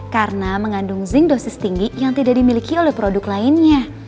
karena mengandung zinc dosis tinggi yang tidak dimiliki oleh produk lainnya